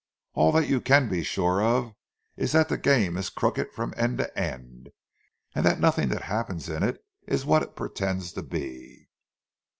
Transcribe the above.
All that you can be sure of is that the game is crooked from end to end, and that nothing that happens in it is what it pretends to be."